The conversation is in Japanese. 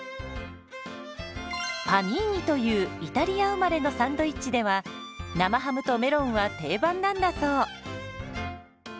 「パニーニ」というイタリア生まれのサンドイッチでは生ハムとメロンは定番なんだそう。